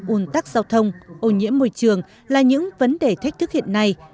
ủn tắc giao thông ô nhiễm môi trường là những vấn đề thách thức hiện nay